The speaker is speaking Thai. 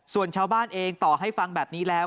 ส่วนชาวบ้านเองต่อให้ฟังแบบนี้แล้ว